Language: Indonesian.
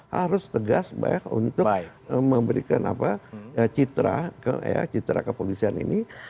harus tegas untuk memberikan citra kepolisian ini